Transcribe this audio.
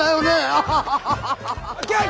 アハハハハ！